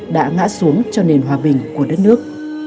đã ngã xuống cho nền hòa bình của đất nước